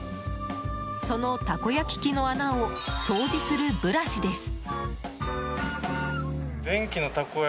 そのたこ焼き器の穴を掃除するブラシです。